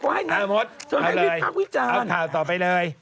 ช่วยให้วิทยาลัยวิจารณ์ข้อข่าวต่อไปเลย